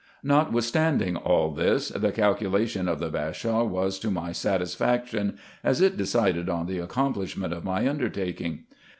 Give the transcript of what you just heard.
Notwithstanding all this, the calculation of the Bashaw was to my satisfaction, as it decided on the accomplishment of my undertaking.